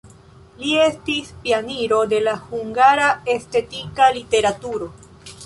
Li estis pioniro de la hungara estetika literaturo.